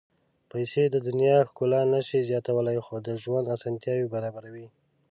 پېسې د دنیا ښکلا نه شي زیاتولی، خو د ژوند اسانتیاوې برابروي.